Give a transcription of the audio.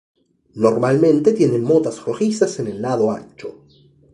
Normalmente tienen motas rojizas en el lado ancho.